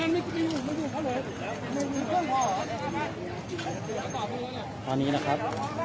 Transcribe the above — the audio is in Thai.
มันก็ไม่ต่างจากที่นี่นะครับ